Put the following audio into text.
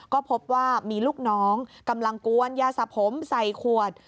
ก็พบว่ามีลูกน้องกำลังกวนยาสะผมใส่ขวด